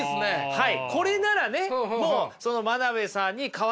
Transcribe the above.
はい。